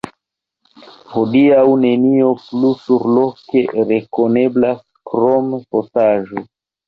Hodiaŭ nenio plu surloke rekoneblas krom fosaĵo.